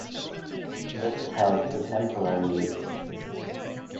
This is held as a temporary result.